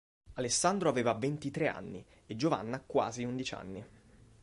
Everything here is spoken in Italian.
Alessandro aveva ventitré anni e Giovanna quasi undici anni.